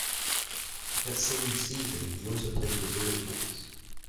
That same season he also played for Gael Force.